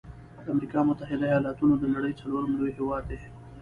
د امريکا متحده ایلاتونو د نړۍ څلورم لوی هیواد دی.